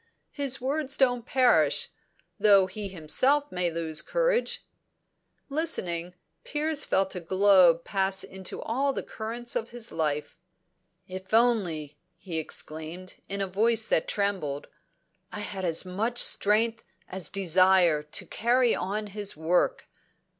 His words don't perish, though he himself may lose courage." Listening, Piers felt a glow pass into all the currents of his life. "If only," he exclaimed, in a voice that trembled, "I had as much strength as desire to carry on his work!"